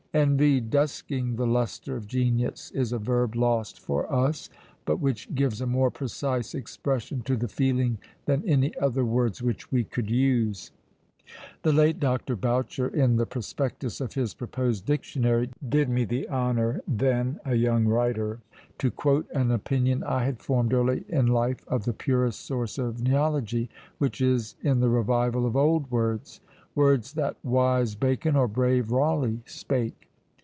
Envy "dusking the lustre" of genius is a verb lost for us, but which gives a more precise expression to the feeling than any other words which we could use. The late Dr. Boucher, in the prospectus of his proposed Dictionary, did me the honour, then a young writer, to quote an opinion I had formed early in life of the purest source of neology, which is in the revival of old words. Words that wise Bacon or brave Rawleigh spake!